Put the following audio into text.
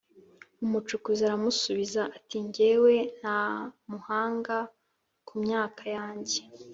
Umucuzi aramusubiza ati: “Ngewe Ntamuhanga ku myaka yange